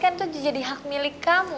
sayang kalo lecet kan jadi hak milik kamu